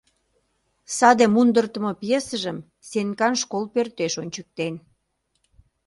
Саде мундыртымо пьесыжым Сенкан школ пӧртеш ончыктен...